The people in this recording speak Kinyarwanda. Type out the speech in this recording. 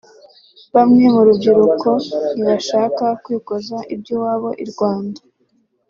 Bamwe mu rubyiruko ntibashaka kwikoza iby’iwabo i Rwanda